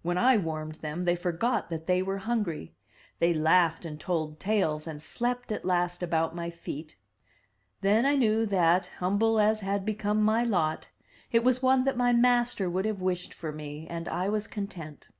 When I warmed them they forgot that they were hungry; they laughed and told tales, and slept at last about my feet. Then I knew that, humble as had become my lot, it was one that my master would have wished for me, and I was content.